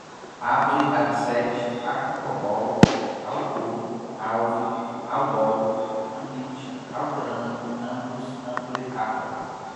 able, abset, acucobol, alcor, algo, algol, ambit, altran, amos, ample, arla